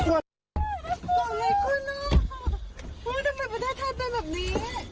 สอนละคุณอ้าวทำไมประทับได้แบบนี้